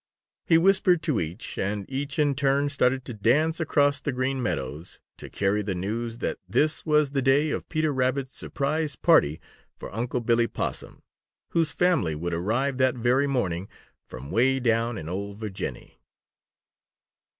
He whispered to each, and each in turn started to dance across the Green Meadows to carry the news that this was the day of Peter Rabbit's surprise party for Unc' Billy Possum, whose family would arrive that very morning from way down in "Ol' Virginny."